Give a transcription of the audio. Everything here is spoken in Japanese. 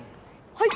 はい。